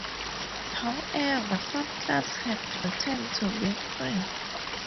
However, some clubs have returned to being free.